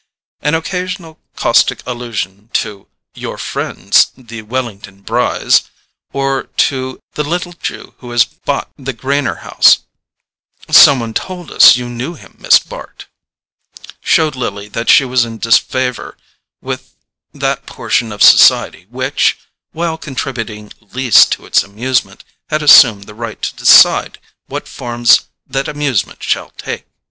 An occasional caustic allusion to "your friends the Wellington Brys," or to "the little Jew who has bought the Greiner house—some one told us you knew him, Miss Bart,"—showed Lily that she was in disfavour with that portion of society which, while contributing least to its amusement, has assumed the right to decide what forms that amusement shall take.